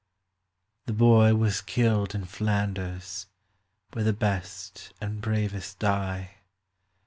The boy was killed in Flanders, where the best and bravest die.